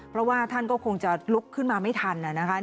เพราะว่าท่านก็คงจะลุกขึ้นมาไม่ทันนะคะ